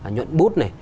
nhuận bút này